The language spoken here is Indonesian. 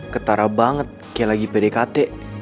ketara banget kayak lagi pdkt